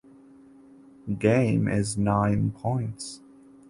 Game is nine points.